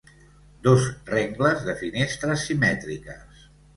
Dos rengles de finestres simètriques